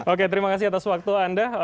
oke terima kasih atas waktu anda